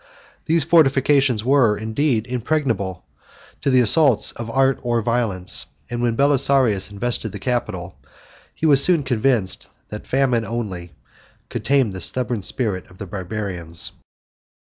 These fortifications were, indeed, impregnable to the assaults of art or violence; and when Belisarius invested the capital, he was soon convinced that famine only could tame the stubborn spirit of the Barbarians.